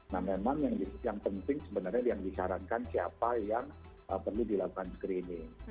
nah memang yang penting sebenarnya yang disarankan siapa yang perlu dilakukan screening